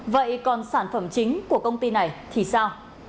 vậy còn sản phẩm chính của công ty này thì sao